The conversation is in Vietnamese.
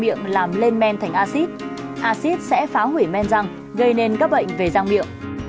miệng làm lên men thành acid acid sẽ phá hủy men răng gây nên các bệnh về răng miệng